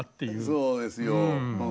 そうですよ。